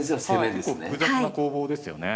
複雑な攻防ですよね。